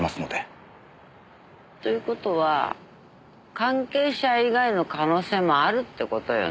という事は関係者以外の可能性もあるって事よね。